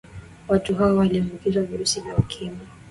watu hao waliambukizwa virusi vya ukimwi